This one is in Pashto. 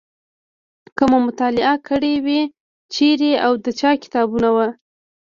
که مو مطالعه کړي وي چیرې او د چا کتابونه وو.